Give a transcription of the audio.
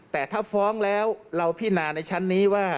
แต่ถ้าฟ้องแล้วเราพินาในชั้นนี้ว่า